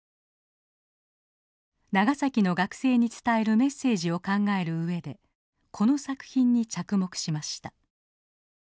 長崎の学生に伝えるメッセージを考える上でこの作品に着目しました。